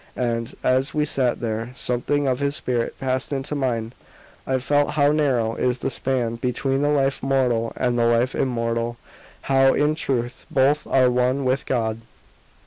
And, as we sat there, something of his spirit passed into mine; I felt how narrow is the span between the life mortal and the life immortal how, in truth, both are one with God.